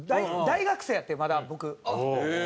大学生やってまだ僕。